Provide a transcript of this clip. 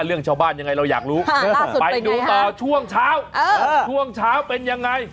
เรื่องชาวบ้านยังไงเราอยากรู้ไปดูต่อช่วงเช้าช่วงเช้าเป็นยังไง